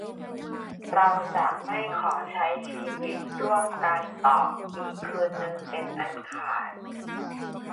เราจะไม่ขอใช้ชีวิตร่วมกันต่ออีกคืนนึงเป็นอันขาด